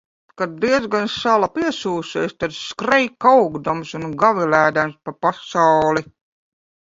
Kad diezgan sala piesūcies, tad skrej kaukdams un gavilēdams pa pasauli.